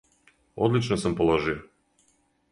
одлично сам положио!